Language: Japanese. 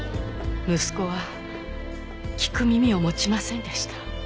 息子は聞く耳を持ちませんでした。